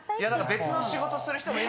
別の仕事する人も。